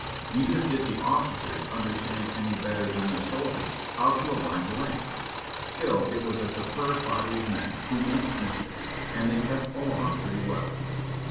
Neither did the officers understand any better than their soldiers how to align the ranks; still it was a superb body of men, who meant mischief, and they kept along pretty well.